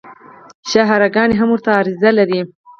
شاهراه ګانې هم ورته عرض لري